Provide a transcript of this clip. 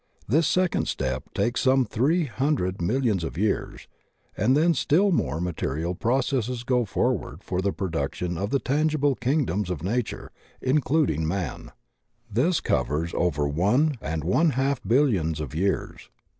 This second step takes some three himdred millions of years, and then still more material processes go forward for the production of the tangible kingdoms of nature, including man. This covers over one and one half billions of years.